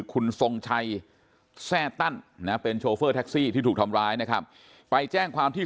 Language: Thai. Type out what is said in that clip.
คุณทรงชัยแทร่ตั้นนะเป็นโชเฟอร์แท็กซี่ที่ถูกทำร้ายนะครับไปแจ้งความที่